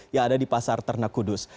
yang ada di pasar ternak kudus